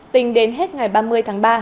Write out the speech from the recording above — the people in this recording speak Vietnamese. tình đến hết ngày ba mươi tháng ba